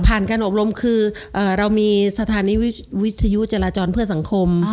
การอบรมคือเรามีสถานีวิทยุจราจรเพื่อสังคม